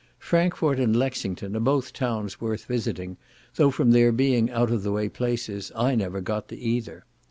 Frankfort and Lexington are both towns worth visiting, though from their being out of the way places, I never got to either.